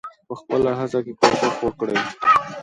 په خپله هڅه کې کوښښ وکړئ.